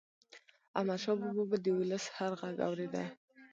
احمدشاه بابا به د ولس هر ږغ اورېده.